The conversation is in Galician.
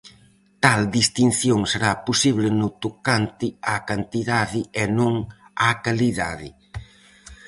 Tal distinción será posible no tocante á cantidade e non á calidade.